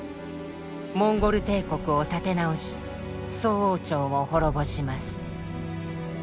モンゴル帝国を立て直し宋王朝を滅ぼします。